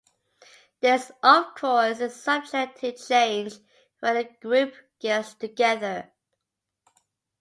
This of course is subject to change when the group gets together.